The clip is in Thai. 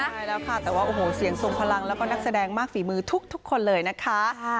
ใช่แล้วค่ะแต่ว่าโอ้โหเสียงทรงพลังแล้วก็นักแสดงมากฝีมือทุกคนเลยนะคะ